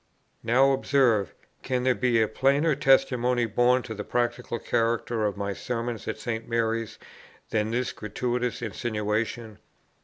Now observe; can there be a plainer testimony borne to the practical character of my Sermons at St. Mary's than this gratuitous insinuation?